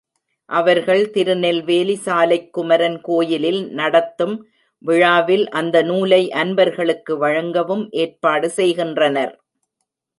அவர்கள் திருநெல்வேலி சாலைக்குமரன் கோயிலில் நடத்தும் விழாவில் அந்த நூலை அன்பர்களுக்கு வழங்கவும் ஏற்பாடு செய்கின்றனர்.